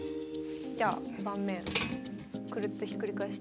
じゃあ盤面クルッとひっくり返して。